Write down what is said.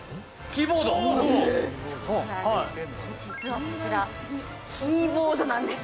実はこちらキーボードなんです。